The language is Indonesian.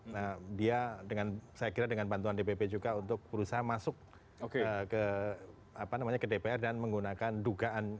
nah dia dengan saya kira dengan bantuan dpp juga untuk berusaha masuk ke dpr dan menggunakan dugaan